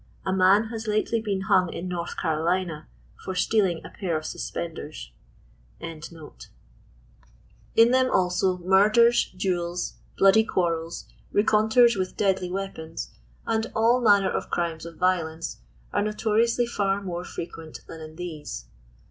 A man has lately been hung in North Canelina, for steaHng a pair (^suspenders. 75 thera also, murders, duels, bloody quarrels, renconters with deadly weapons, and all manner of crimes of violence, are no toriously far more frequent than in these.